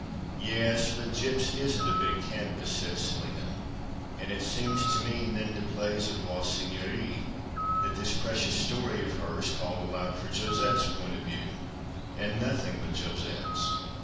" Yes, but Gyp's isn't a big canvas," said Selina " and it seems to me nen dcplaise a voire seigneurie, that this precious story of hers called aloud for Josette's point of ^ iew, and nothing but Josette's.